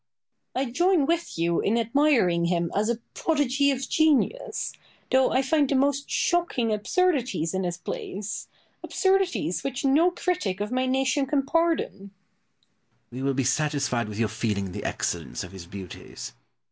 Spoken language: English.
Boileau. I join with you in admiring him as a prodigy of genius, though I find the most shocking absurdities in his plays absurdities which no critic of my nation can pardon. Pope. We will be satisfied with your feeling the excellence of his beauties.